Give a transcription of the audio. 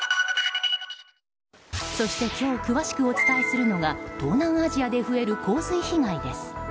そして今日詳しくお伝えするのが東南アジアで増える洪水被害です。